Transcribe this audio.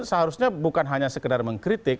seharusnya bukan hanya sekedar mengkritik